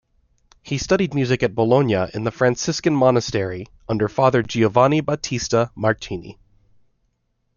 He studied music at Bologna in the Franciscan Monastery, under Father Giovanni Battista Martini.